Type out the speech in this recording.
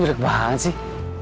jodoh banget sih